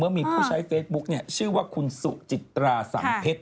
มีผู้ใช้เฟซบุ๊กเนี่ยชื่อว่าคุณสุจิตราสังเพชร